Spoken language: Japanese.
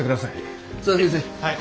はい。